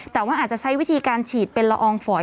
แต่ว่าอาจจะใช้วิธีการฉีดเป็นละอองฝอย